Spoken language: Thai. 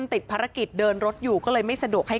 ติดภารกิจเดินรถอยู่ก็เลยไม่สะดวกให้